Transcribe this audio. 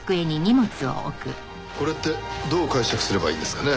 これってどう解釈すればいいんですかね？